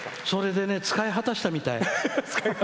それで使い果たしたみたい。